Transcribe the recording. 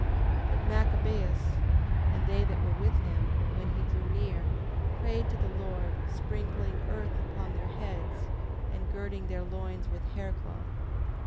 10:26. But Machabeus, and they that were with him, when he drew near, prayed to the Lord, sprinkling earth upon their heads, and girding their loins with haircloth, 10:26.